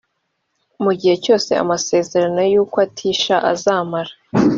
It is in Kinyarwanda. mu gihe cyose amasezerano y ukwatisha azamara